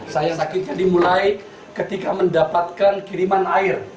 saya sakit jadi mulai ketika mendapatkan kiriman air